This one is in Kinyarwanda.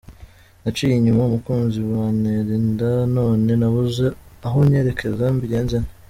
Naciye inyuma umukunzi bantera inda none nabuze aho nyerekeza, mbigenze nte?.